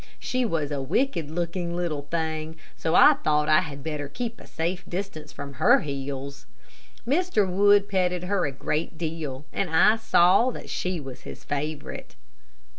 She was a wicked looking little thing, so I thought I had better keep at a safe distance from her heels. Mr. Wood petted her a great deal and I saw that she was his favorite.